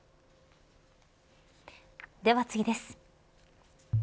では次です。